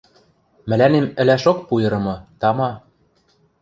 – Мӹлӓнем ӹлӓшок пуйырымы, тама...